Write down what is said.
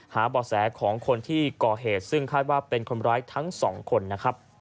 บ่อแสของคนที่ก่อเหตุซึ่งคาดว่าเป็นคนร้ายทั้งสองคนนะครับ